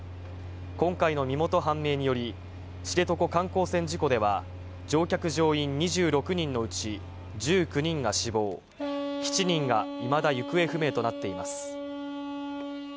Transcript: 今回の身元判明により、知床観光船事故では、乗客・乗員２６人のうち、１９人が死亡、７人がいまだ行方不明となっています。